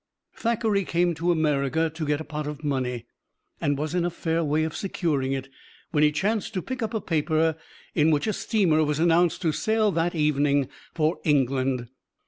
Thackeray came to America to get a pot of money, and was in a fair way of securing it, when he chanced to pick up a paper in which a steamer was announced to sail that evening for England.